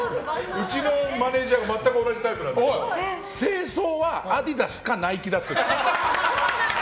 うちのマネジャーがまったく同じタイプなんだけど正装はアディダスかナイキだって。